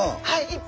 はい。